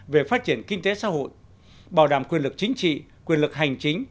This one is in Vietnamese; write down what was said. về phát triển kinh tế xã hội bảo đảm quyền lực chính trị quyền lực hành chính